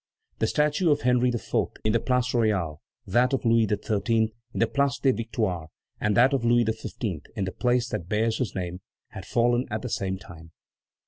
The statue of Henry IV. in the Place Royale, that of Louis XIII. in the Place des Victoires, and that of Louis XV. in the place that bears his name, had fallen at the same time.